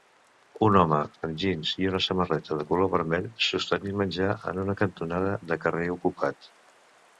Un home amb jeans i una samarreta de color vermell sostenint menjar en una cantonada de carrer ocupat